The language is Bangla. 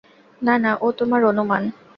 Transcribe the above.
না না, ও তোমার অনুমান।